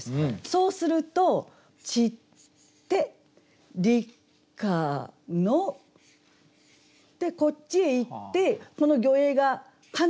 そうすると「散つて立夏の」。でこっちへ行ってこの「魚影」が「か